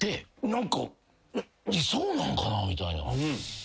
何か「そうなんかな？」みたいな。